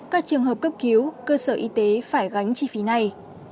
các trường hợp cấp cứu cơ sở y tế phải gánh chi phí này